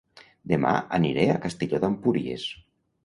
Dema aniré a Castelló d'Empúries